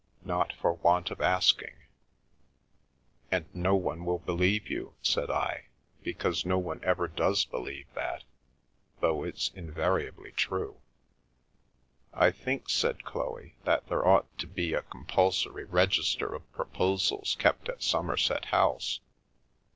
Not for want of asking !'"" And no one will believe you," said I, " because no one ever does believe that, though it's invariably true." " I think/' said Chloe, " that there ought to be a com pulsory register of proposals kept at Somerset House.